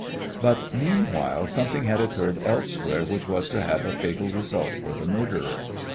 But, meanwhile, something had occurred elsewhere which was to have a fatal result for the murderer.